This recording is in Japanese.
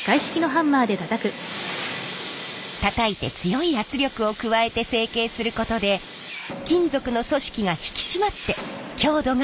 たたいて強い圧力を加えて成形することで金属の組織が引き締まって強度が増します。